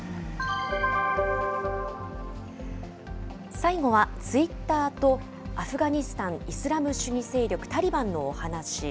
最後は、ツイッターとアフガニスタン、イスラム主義勢力タリバンのお話。